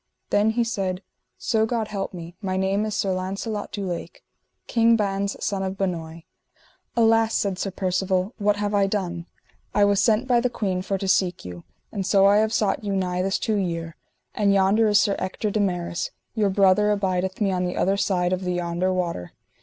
Then he said: So God me help, my name is Sir Launcelot du Lake, King Ban's son of Benoy. Alas, said Sir Percivale, what have I done? I was sent by the queen for to seek you, and so I have sought you nigh this two year, and yonder is Sir Ector de Maris, your brother abideth me on the other side of the yonder water.